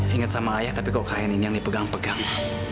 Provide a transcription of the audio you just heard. ingat sama ayah tapi kok kalian ini yang dipegang pegang